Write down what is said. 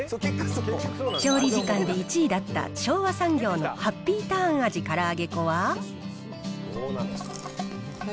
調理時間で１位だった昭和産業のハッピーターン味から揚げ粉は。